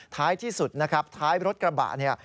ท้ายที่สุดนะครับท้ายรถกระบะเนี่ย